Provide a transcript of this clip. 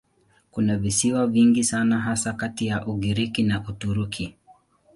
Kuna visiwa vingi sana hasa kati ya Ugiriki na Uturuki.